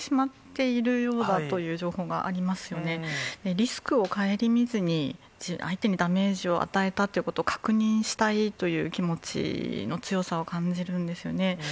リスクを顧みずに、相手にダメージを与えたということを確認したいという気持ちの強さを感じるんですよね。